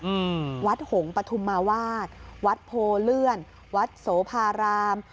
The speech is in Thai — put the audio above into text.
อืมวัดหงษุมาวาดวัดโพเลื่อนวัดโสภาราม